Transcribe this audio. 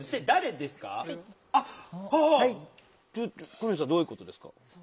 小西さんどういうことですか？